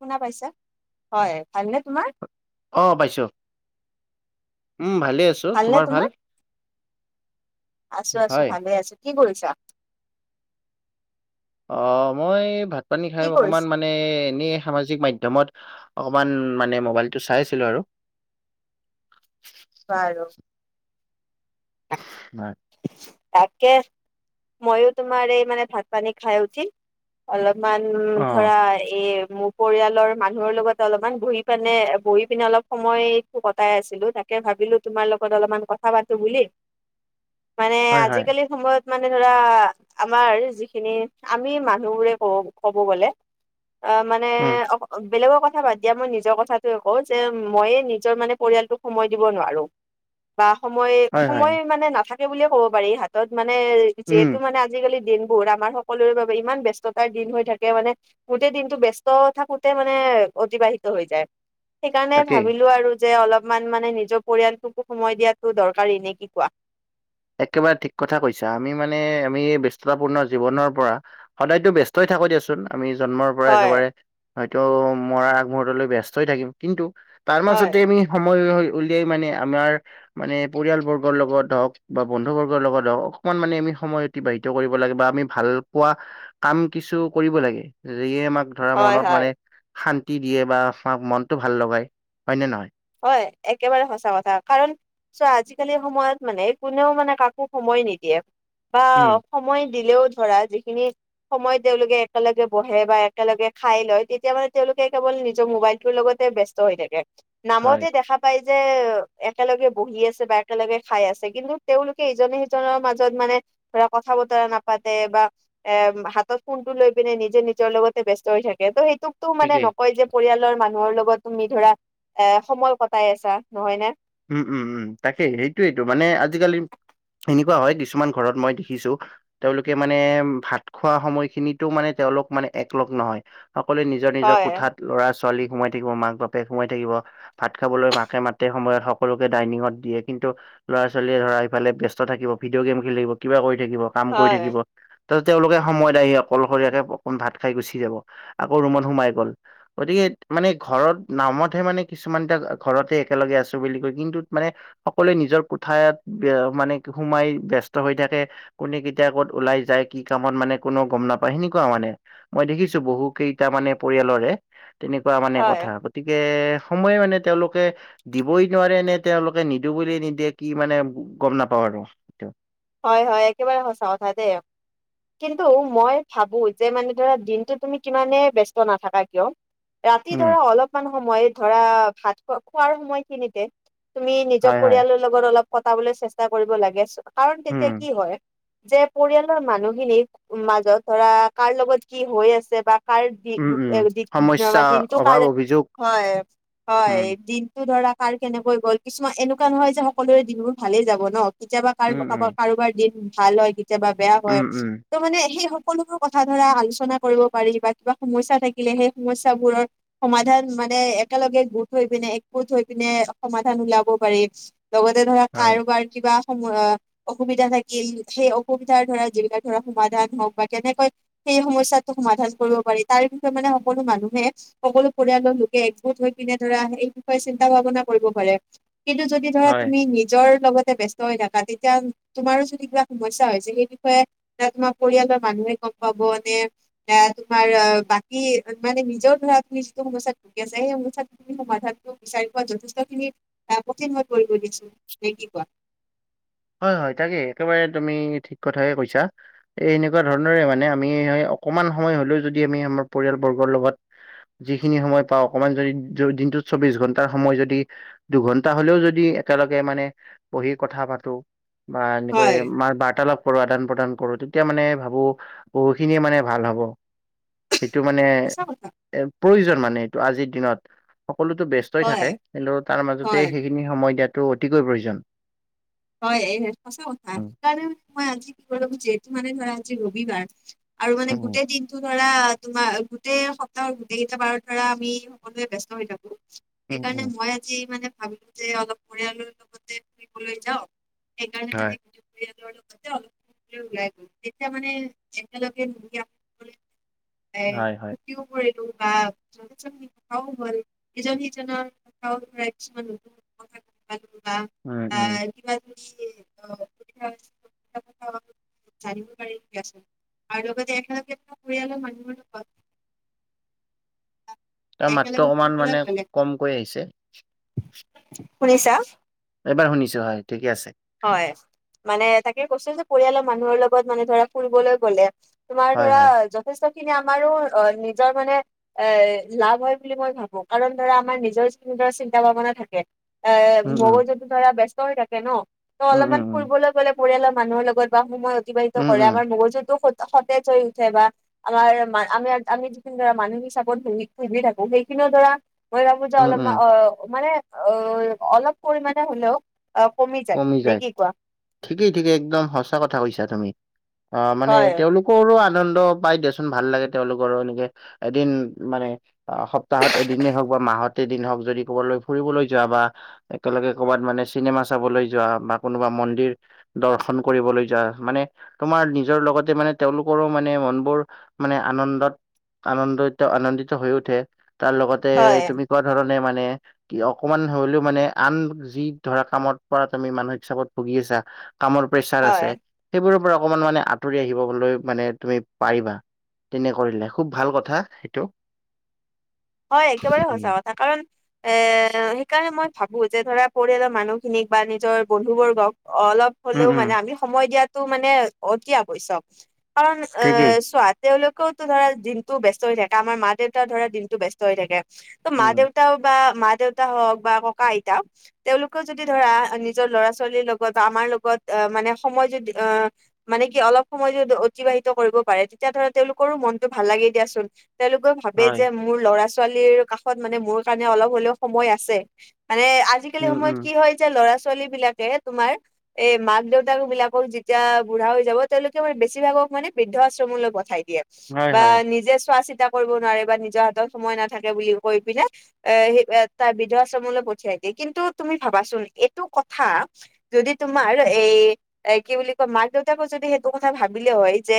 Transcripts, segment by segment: শুনা পাইছা? হয় ভালনে তোমাৰ। অ পাইছোঁ। উম ভালে আছো, তোমাৰ ভাল? আছো আছো হয়। ভালে আছো। কি কৰিছা? অ মই ভাত পানী খাই কি কৰিছ অকমান মানে মানে এনেই সামাজিক মাধ্যমত অকমান মানে মোবাইলটো চাই আছিলো আৰু। বাৰু। নাই। তাকে মইয়ো তোমাৰ এই মানে ভাত পানী খাই উঠি অলপমান অ', ধৰা এই মোক পৰিয়ালৰ মানুহৰ লগতে অলপমান বহি পাননে বহি পিনে অলপ সময় কটাই আছিলো তাক ভাবিলো তোমাৰ লগত অলপমান কথা পাতো বুলি। মানে হয় হয়। আজিকালি সময়ত মানে ধৰা আমাৰ যিখিনি আমি মানুহবোৰে কব ক'ব গ'লে অ মানে উম, অ বেলেগৰ কথা বাদ দিয়া মই নিজৰ কথাটো কওঁ যে, মই নিজৰ মানে পৰিয়ালটোক সময় দিব নোৱাৰো। বা সময় হয় হয়। সময় মানে নাথাকে বুলিয়ে ক'ব পাৰি হাতত মানে উম, যিহেতু মানে আজিকালি দিনবোৰ আমাৰ সকলোৰে বাবে ইমান ব্যস্ততাৰ দিন হৈ থাকে মানে গোটেই দিনটো ব্যস্ত থাকোতে মানে অতিবাহিত হৈ যায়। সেইকাৰণে তাকেই। ভাবিলো আৰু যে অলপমান মানে নিজৰ পৰিয়ালটোকো সময় দিয়াতটো দৰকাৰী নে কি কোৱা? একেবাৰে ঠিক কথা কৈছা। আমি মানে আমি ব্যস্ততাপূৰ্ণ জীৱনৰ পৰা সদায়তো ব্যস্তই থাকো দিয়াচোন আমি জন্মৰ পৰা হয় একেবাৰে হয়তো মৰাৰ আগমহূৰ্তলৈ ব্যস্তই থাকিম কিন্তু তাৰ হয় মাজতে আমি সময় উলিয়াই মানে আমাৰ মানে পৰিয়ালবৰ্গৰ লগত হওক বা বন্ধু বৰ্গৰ লগত হওক অকমান মানে আমি সময় অতিবাহিত কৰিব লাগে বা আমি ভাল পোৱা কাম কিছু কৰিব লাগে যিয়ে আমাক ধৰা হয় মনত হয় মানে শান্তি দিয়ে বা আমাক মনটো ভাল লগাই হয় নে নহয়? হয় একেবাৰে সঁচা কথা কাৰণ চোৱা আজিকালি সময়ত মানে কোনেও মানে কাকো সময় নিদিয়ে বা উম। সময় দিলেও ধৰা যিখিনি সময় তেওঁলোকে একেলগে বহে বা একেলগে খাই লয় তেতিয়া মানে তেওঁলোকে কেৱল নিজৰ মোবাইল টোৰ লগতে ব্যস্ ত হৈ থাকে হয় নামতে দেখাত পাই যে একেলগে বহি আছে বা একেলগে খাই আছে কিন্তু তেওঁলোকে ইজনে সিজনৰ মাজত মানে ধৰা কথা বতৰা নাপাতে বা এ হাতত ফোনটো লৈ পিনে নিজে নিজৰ লগতে ব্যস্ত হৈ থাকে ত' সেইটো টো মানে ঠিকেই নকয় যে পৰিয়ালৰ মানুহৰ লগত তুমি ধৰা এ সময় কটাই আছা নহয় নে উম উম উম তাকেই সেইটোয়েইটো মানে আজিকালি এনেকুৱা হয় কিছুমান ঘৰত মই দেখিছো তেওঁলোকে মানে ভাত খোৱা সময়খিনিতো মানে তেওঁলোক মানে একলগ নহয় সকলোৱে নিজৰ নিজৰ হয় কোঠাত ল'ৰা ছোৱালী সোমাই থাকিব মাক বাপেক সোমাই থাকিব ভাত খাবলৈ মাকে মাতে সময়ত সকলোকে ডাইনিঙত দিয়ে কিন্তু ল'ৰা ছোৱালীয়ে ধৰা ইফালে ব্যস্ত থাকিব ভিডিঅ' গেম খেলি থাকিব কিবা কৰি থাকিব কাম কৰি হয় থাকিব তাতে তেওঁলোকে সময়ত আহি অকলশৰীয়াকে অকণ ভাত খাই গুচি যাব আকৌ ৰুমত সোমাই গ'ল গতিকে মানে ঘৰত নামতহে মানে কিছুমান টা ঘৰতে একেলগে আছো বুলি কৈ কিন্তুত মানে সকলোৱে নিজৰ কোঠাত মানে সোমাই ব্যস্ত হৈ থাকে কোনে কেতিয়া কত ওলাই যায় কি কামত মানে কোনৌও গম নাপায় সেনেকুৱা মানে মই দেখিছো বহু কেইটা মানে পৰিয়ালৰে তেনেকুৱা মানে হয় কথা গতিকে সময় মানে তেওঁলোকে দিবই। নোৱাৰে নে তেওঁলোকে নিদো বুলি নিদিয়ে কি মানে গম নাপাওঁ আৰু। এইটো হয় হয় একেবাৰে সঁচা কথা দে। কিন্তু মই ভাবো যে মানে ধৰা দিনটো তুমি কিমানে ব্যস্ত নাথাকা কিয় ৰাতি উম ধৰা অলপমান সময় ধৰা ভাত খোৱা খোৱাৰ সময়খিনিতে তুমি নিজৰ হয় হয় পৰিয়ালৰ লগত অলপ কটাবলৈ চেষ্টা কৰিব লাগে কাৰণ উম তেতিয়া কি হয় যে পৰিয়ালৰ মানুহখিনিক মাজত ধৰা কাৰ লগত কি হৈ আছে বা কাৰ দি উম উম সমস্যা [unintelligible] দিনটো কাৰ অভাৱ অভিযোগ হয় হয় উম দিন টো ধৰা কাৰ কেনেকৈ গ'ল কিছুমান এনেকুৱা নহয় যে সকলোৰে দিনবোৰ ভালেই যাব ন কেতিয়াবা উম কাৰবা উম কাৰোবাৰ দিন ভাল হয় কেতিয়াবা বেয়া উম হয়। উম ত' মানে সেই সকলোবোৰ কথা ধৰা আলোচনা কৰিব পাৰি বা কিবা সমস্যা থাকিলে সেই সমস্যাবোৰৰ সমাধান মানে একেলগে গোট হৈ পিনে একগোট হৈ পিনে সমাধান ওলাব পাৰি। লগতে ধৰা হয় কাৰোবাৰ কিবা সম অ অসুবিধা থাকিল সেই অসুবিধাৰ ধৰা যিবিলাক ধৰ সমাধান হওঁক বা কেনেকৈ সেই সমস্যাটো সমাধান কৰিব পাৰি তাৰ বিষয়ে মানে সকলো মানুহে সকলো পৰিয়ালৰ লোকে একগোট হৈ পেনে ধৰা এই বিষয়ে চিন্তা ভাৱনা কৰিব পাৰে কিন্তু যদি ধৰা হয় তুমি নিজৰ লগতে ব্যস্ত হৈ থাকা তেতিয়া তোমাৰো যদি কিবা সমস্যা হৈছে সেই বিষয়ে তোমাৰ পৰিয়ালৰ মানুহে গম পাব নে এ তোমাৰ আহ বাকী মানে নিজৰ ধৰা তুমি যিটো সমস্যাত ভুগি আছে সেই সমস্যাত সমাধানটো বিচাৰি পোৱাত যথেষ্টখিনিত অ কঠিন হৈ পৰিব দিছো নে কি কোৱা। হয় হয় তাকে একেবাৰে তুমি ঠিক কথাহে কৈছা। এই এনেকুৱা ধৰণৰে মানে আমি অকমান সময় হলেও যদি আমি আমাৰ পৰিয়ালবৰ্গৰ লগত যিখিনি সময় পাওঁ অকমান যদি দিনটোত চৌবিশ ঘণ্টা সময় যদি দুঘন্টা হলেও যদি একেলগে মানে বহি কথা পাতো বা এনেকৈ হয় মাৰ বাৰ্তালাপ কৰো আদান প্ৰদান কৰো তেতিয়া মানে ভাবো বহু খিনিয়ে মানে ভাল হব। সেইটো মানে সঁচা কথা এ প্ৰয়োজন মানে এইটো আজিৰ দিনত সকলোতো ব্যস্ তই থাকে হয় কিন্ত তাৰ মাজতে হয় সেইখিনি সময় দিয়াটো অতিকৈ প্ৰয়োজন। হয় এই সঁচা কথা উম, সেইকাৰণে মই আজি [inaudible] কি ক ল যিহেতু মানে ধৰা আজি ৰবিবাৰ। আৰু মানে উম, গোটেই দিন ধৰা তোমাৰ গোটেই সপ্তাহৰ গোটেই কেইটা বাৰত ধৰা আমি সকলোৱে ব্স্ত হৈ থাকো। উম, সেইকাৰণে উম, মই আজি মানে ভাবো যে অলপ পৰিয়ালৰ লগতে ফুৰিবলৈ যাওঁ। সেইকাৰণে হয়। মানে পৰিয়ালৰ লগত অলপ ওলাই গ'ল তেতিয়া মানে একেলগে [inaudible] এই হয়। ফূৰ্তি কৰিলোঁ বা [unintelligible] হয় এজন সিজনৰ কিছুমান হ। উম, উম। আহ কি? [unintelligible] জানিব পাৰি দিয়াচোন আৰু লগতে একে লগে পৰিয়ালৰ মানুহৰ লগত তাৰ একেলগে মাত্ৰ অকমান ফুৰিবলৈ মানে গ'লে কমকৈ আহিছে। শুনিছা? এইবাৰ শুনিছো হয় ঠিকে আছে। হয়, মানে তাকে কৈছোঁ যে পৰিয়ালৰ মানুহৰ লগত মানে ধৰা ফুৰিবলৈ গলে। তোমাৰ হয়, ধৰা হয়। যথেষ্ট খিনি আমাৰো অ নিজৰ মানে এ লাভ হয় বুলি মই ভাবো কাৰণ ধৰা আমাৰ নিজৰ ধৰা চিন্তা ভাৱনা থাকে। এ উম, উম। মগজুটো ধৰা ব্যস্ত হৈ থাকে ন, ত উম, উম, অলপমান উম। ফুৰিবলৈ গ'লে। পৰিয়ালৰ মানুহৰ লগত বা সময় অতিবাহিত উম, কৰে উম। আমাৰ মগজুতটো সতেজ হৈ উঠে বা। আমাৰ আমি আমি যিখিনি ধৰা মানসিক চাপত ভূগি থাকোঁ সেইখিনিও ধৰা মই ভাবো যে উম, অলপ উম। অ মানে অ অলপ পৰিমাণে হলেও কমি কমি নে যায়, কি কোৱা ঠিকেই ঠিকেই একদম সঁচা কথা কৈছা তুমি, অ মানে হয় তেওঁলোক। কৰো আনন্দ পাই দিয়াচোন ভাল লাগে তেওঁলোকৰো এনেকে এদিন মানে অ সপ্তাহত এদিনেই হওঁক বা মাহত এদিন হওঁক যদি ক'বালৈ ফুৰিবলৈ যোৱা বা একেলগে কৰ'বাত মানে চিনেমা চাবলৈ যোৱা বা কোনোবা মন্দিৰ দৰ্শন কৰিবলৈ যায় মানে তোমাৰ নিজৰ লগতে মানে তেওঁলোকৰো মানে মনবোৰ মানে আনন্দত আনন্দ তেওঁ আনন্দিত হৈ উঠে তাৰ লগত। তাতে হয়, তুমি কোৱা ধৰণে মানে কি অকমান হলেও মানে আন যি ধৰা কামত। পৰা তুমি মানসিক চাপত ভুগি আছা কামৰ প্ৰেচাৰ হয়, আছে। সেইবোৰৰ পৰা অকমান মানে আঁতৰি আহিবলৈ মানে তুমি পাৰিবা। তেনে কৰিলে খুব ভাল কথা সেইটো। হয় একেবাৰে সঁচা উম। কথা কাৰণ এ সেইকাৰণে মই ভাবো যে ধৰা পৰিয়ালৰ মানুহখিনিক বা নিজৰ বন্ধু বৰ্গক অলপ উম হলেও মানে উম আমি সময় দিয়াটো মানে অতি আৱশ্যক কাৰণ এ ঠিকেই। চোৱা তেওঁলোকেতো ধৰা দিনতো ব্যস্ত হৈ থাকে আমাৰ মা-দেউতা ধৰা দিনটো ব্যস্ত হৈ থাকে। ত উম মা-দেউতাও বা মা- দেউতা হওঁক বা ককা, আইতা তেওঁলোকেও যদি ধৰা নিজৰ লৰা-ছোৱালীৰ লগত বা আমাৰ লগত আহ মানে সময় যদি অহ মানে কি অলপ সময় যদি অতিবাহিত কৰিব পাৰে তেতিয়া ধৰা তেওঁলোকৰো মনটো ভাল লাগে দিয়াচোন। তেওঁলোকৰ ভাবে হয় যে মোৰ ল'ৰা ছোৱালীৰ কাষত মানে মোৰ কাৰণে অলপ হ'লেও সময় আছে, মানে আজিকালি উম সময়ত উম কি হয় যে ল'ৰা -ছোৱালী বিলাকে তোমাৰ এই মাক-দেউতাক বিলাকৰ যেতিয়া বুঢ়া হৈ যাব তেওঁলোকে মানে বেছিভাগক মানে বৃদ্ধ আশ্ৰমলৈ পঠাই দিয়ে। হয় বা হয় নিজে চোৱা চিতা কৰিব নোৱাৰে বা নিজৰ হাতত সময় নাথাকে বুলি কৈ পিনে। এ তাৰ বিদ্ধাশ্ৰমলৈ পঠিয়াই দিয়ে কিন্তু তুমি ভাবাচোন এইটো কথা। যদি তোমাৰ এই। এ কি বুলি কয় মাক দেউতাকো যদি সেইটো কথা ভাবিলে হয় যে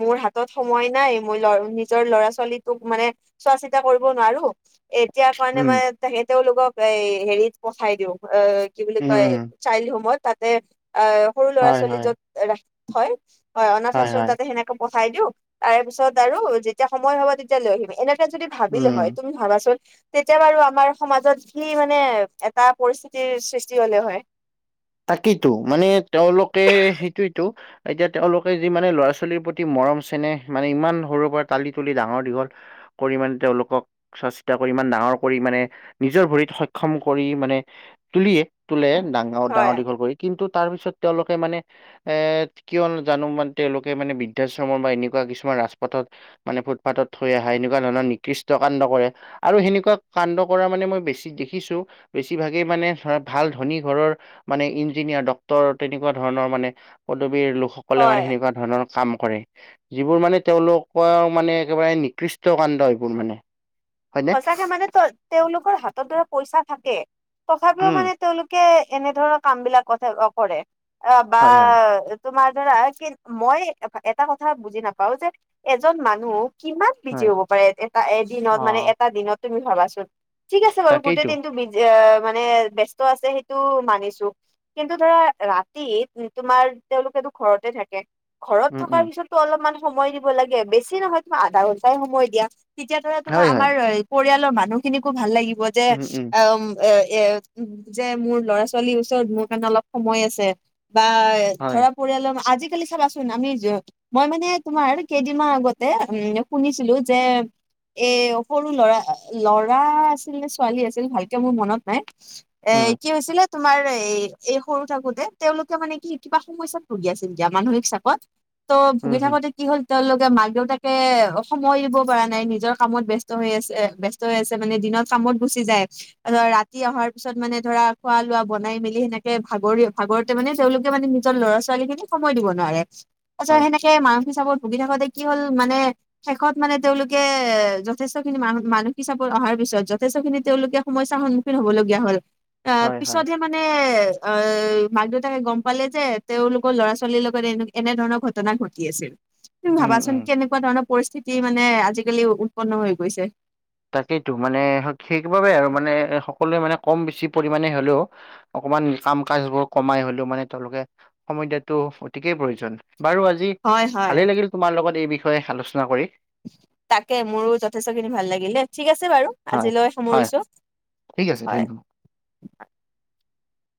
মোৰ হাতত সময় নাই মই ল নি। নিজৰ ল'ৰা ছোৱালীটোক মানে চোৱা চিতা কৰিব নোৱাৰো এতিয়া কাৰণে উম মানে। তাকে তেওঁলোকক এই হেৰিত পঠাই দিওঁ অ কি বুলি উম কয় উম চাইল্ড হোমত তাতে। আহ সৰু ল'ৰা হয় ছোৱালী হয় যত ৰাখি থয় হয় অনাথ আশ্ৰম তাতে সেনেকে। পঠাই দিও তাৰ পিছত আৰু যেতিয়া সময় হব তেতিয়া লৈ আহিম এনেকে যদি। ভাবিলে উম। হয় তুমি ভাবাচোন। তেতিয়া বাৰু আমাৰ সমাজত সি মানে এটা পৰিস্থিতিৰ সৃষ্টি হ'লে হয়। তাকেতো মানে তেওঁলোকে সেইটোৱেতো। এতিয়া তেওঁলোকে যি মানে ল'ৰা ছোৱালীৰ প্ৰতি মৰম চেনেহ মানে ইমান সৰুৰ পৰা তালি তুলি ডাঙৰ দীঘল। কৰি মাণে তেওঁলোকক। চোৱা চিতা কৰি ইমান ডাঙৰ কৰি মানে নিজৰ ভৰিত সক্ষম কৰি মানে। তুলিয়ে তোলে ডাঙৰ হয় ডাঙৰ দীঘল কৰি কিন্তু তাৰ পিছত তেওঁলোকে মানে। এ কিয় জানো ইমান তেওঁলোকে মানে বৃদ্ধাশ্ৰমৰ বা এনেকুৱা কিছুমান ৰাজপথত। মানে ফুটপাথত থৈ আহা এনেকুৱা ধৰণৰ নিকৃষ্ট কাণ্ড কৰে। আৰু সেনেকুৱা কাণ্ড কৰা মানে মই বেছি দেখিছো। বেছিভাগেই মানে ধৰা ভাল ধনী ঘৰৰ। মানে ইঞ্জিনিয়াৰ ডক্তৰ তেনেকুৱা ধৰণৰ মানে পদবীৰ লোকসকলে মানে হয় সেনেকুৱা ধৰণৰ। কাম কৰে যিবোৰ মানে তেওঁলোকৰ মানে একেবাৰে নিকৃষ্ট কাণ্ড এইবোৰ মানে। হয়নে? সঁচাকে মানে তেওঁলোকৰ হাততো পইচা থাকে তথাপিও উম, মানে। তেওঁলোকে এনেধৰণৰ কাম বিলাক কথা কৰে বা। হয়, হয়, তোমাৰ ধৰা কি মই এটা কথা বুজি নাপাও যে এজন মানুহ। কিমান বিজি হয়, হ'ব পাৰে এটা এদিনত মানে অ', এটা দিনত তুমি ভাবাচোন। ঠিক আছে বাৰু গোটেই তাকেইতো দিনটো মানে ব ব্যস্ত আছে সেইটো মানিছো। কিন্তু ধৰা ৰাতি তোমাৰ তেওঁলোকেটো ঘৰতে থাকে। ঘৰত উম, থকাৰ উম, পিছতো অলপমান সময় দিব লাগে! বেছি নহয়, তোমাৰ আধা ঘন্টাই সময় দিয়া! তেতিয়া ধৰা তোমাৰ হয়, হয়, আমাৰ পৰিয়ালৰ মানুহখিনিকো ভাল লাগিব যে উম, উম, এম। এ, এ যে মোৰ ল'ৰা ছোৱালীৰ ওচৰত মোৰ কাৰণে অলপ সময় আছে বা এই। হয়, ধৰা পৰিয়ালৰ আজিকালি চাবাচোন আমি য। মই মানে তোমাৰ কেইদিনমান আগতে উম শুনিছিলোঁ, যে এই। সৰু ল'ৰা, ল'ৰা আছিল নে ছোৱালী আছিল ভালকে মোৰ মনত নাই। এ উম, কি হৈছিলে তোমাৰ এ এই সৰু থাকোতে তেওঁলোকে মানে কি কিবা সমস্যাত। ভূগি আছিল মানসিক চাপত। ত' উম, ভুগি উম, থাকোঁতে কি হল, তেওঁলোকে মাক দেউতাকে সময় দিব পৰা নাই নিজৰ কামত বেছ। ত, হৈ আছে! ব্যস্ত হৈ আছে, মানে দিনত কামত গুচি যায়! ৰাতি অহাৰ পিছত মানে ধৰা খোৱা লোৱা বনাই মেলি সেনেকে ভাগৰি ভাগৰ। ত মানে তেওঁলোকে মানে নিজৰ ল'ৰা ছোৱালী খিনিকো সময় দিব নোৱাৰে! তাৰপিছত হয়, সেনেকে মানসিক চাপত ভুগি থাকোতে কি হ'ল মানে শেষত মানে তেওঁলোকে এ। যথেষ্টখিনি মান মানসিক চাপৰ অহাৰ পিছত যথেষ্টখিনি তেওঁলোকে সমস্যাৰ সন্মুখীন হ'বলগীয়া হ'ল! আ হয়, হয়, পিছত হে। মানে অ মাক দেউতাকে গম পালে যে তেওঁলোকৰ ল'ৰা ছোৱালীৰ লগত এনেকে। এনে ধৰণৰ ঘটনা ঘটি আছিল। তুমি উম, ভাবাচোন উম। কেনেকুৱা ধৰণৰ পৰিস্থিতি মানে আজিকালি উৎপন্ন হৈ গৈছে। তাকেইতো মানে সেইবাবে আৰু মানে সকলোৱে মানে কম বেছি পৰিমণে হ'লেও। অকমান কাম কাজ বোৰ কমাই হ'লেও মানে তেওঁলোকে। সময় দিয়াটো অতিকেই প্ৰয়োজন বাৰু আজি। হয় হয় ভালেই লাগিল তোমাৰ লগত এই বিষয়ে আলোচনা কৰি। তাকে মোৰো যথেষ্টখিনি ভাল ঠিক আছে বাৰু। হয় আজিলৈ হয় সামৰিছোঁ! ঠিক আছে হয়! ধন্যবাদ